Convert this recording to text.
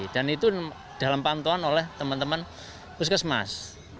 dan itu dalam pantuan oleh teman teman puskesmas